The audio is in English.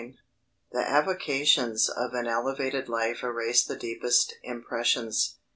The avocations of an elevated life erase the deepest impressions.